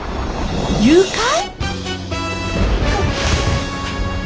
誘拐！？